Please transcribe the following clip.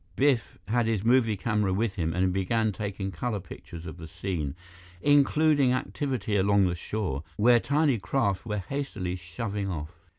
Biff had his movie camera with him and he began taking color pictures of the scene, including activity along the shore, where tiny craft were hastily shoving off.